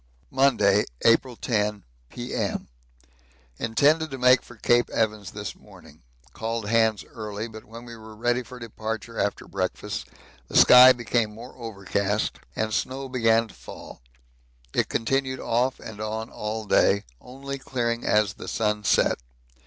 Monday, April 10, P.M. Intended to make for Cape Evans this morning. Called hands early, but when we were ready for departure after breakfast, the sky became more overcast and snow began to fall. It continued off and on all day, only clearing as the sun set.